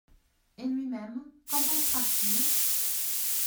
Et lui-même, qu’en pensera-t-il ?